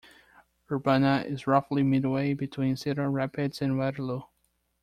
Urbana is roughly midway between Cedar Rapids and Waterloo.